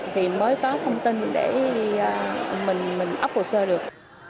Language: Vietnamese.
thì mới có thông tin để mình ấp hồ sơ được